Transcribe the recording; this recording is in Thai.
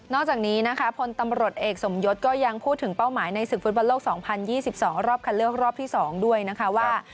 จากนี้นะคะพลตำรวจเอกสมยศก็ยังพูดถึงเป้าหมายในศึกฟุตบอลโลก๒๐๒๒รอบคันเลือกรอบที่๒ด้วยนะคะว่า